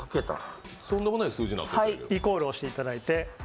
イコールを押していただいて。